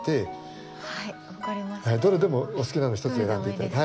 どれでもお好きなのを一つ選んで頂いて。